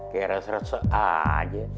kaya reset reset aja